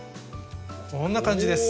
こんな感じです。